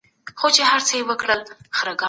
هغه فکر چي منطق لري تل بريالی وي.